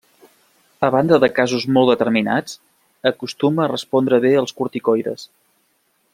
A banda de casos molt determinats, acostuma a respondre bé als corticoides.